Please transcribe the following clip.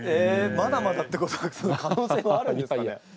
まだまだってことは可能性はあるんですかね？